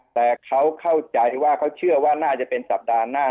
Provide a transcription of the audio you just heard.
แต่เขาเข้าใจว่าเขาเชื่อว่าน่าจะเป็นสัปดาห์หน้า